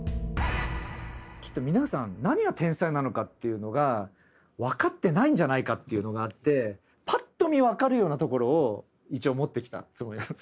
きっと皆さん何が天才なのかっていうのが分かってないんじゃないかっていうのがあってパッと見分かるようなところを一応持ってきたつもりなんですよ。